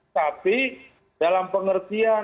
tapi dalam pengertian